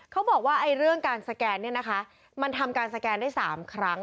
เขาบอกว่าเรื่องการสแกนเนี่ยนะคะมันทำการสแกนได้๓ครั้ง